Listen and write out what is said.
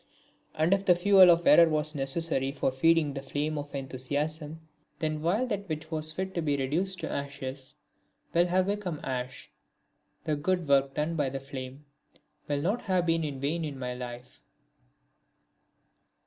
And if the fuel of error was necessary for feeding the flame of enthusiasm then while that which was fit to be reduced to ashes will have become ash, the good work done by the flame will not have been in vain in my life.